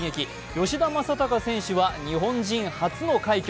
吉田正尚選手は日本人初の快挙。